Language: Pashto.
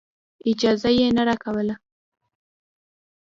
اجازه یې نه راکوله.